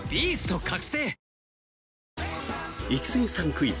クイズ